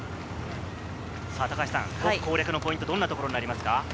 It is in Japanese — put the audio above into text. ５区攻略のポイントはどんなところにありますか？